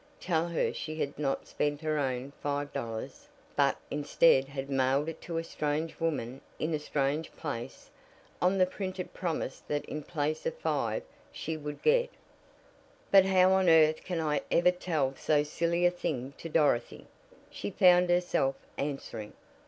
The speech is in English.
Tell her she had not spent her own five dollars, but instead had mailed it to a strange woman in a strange place, on the printed promise that in place of five she would get "But how on earth can I ever tell so silly a thing to Dorothy?" she found herself answering.